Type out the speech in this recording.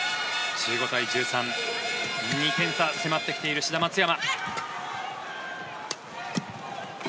１５対１３２点差、迫ってきている志田・松山。